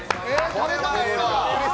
食べたかった！